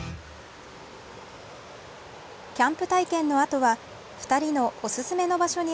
キャンプ体験のあとは２人のおすすめの場所に